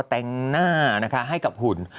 แต่งหน้านะคะให้กับหุ่น